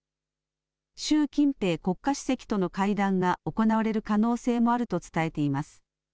習近平国家主席との会談が行われる可能性もあると伝えています。